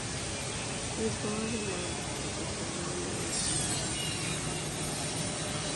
He was born in Melbourne, into a well known Camperdown family.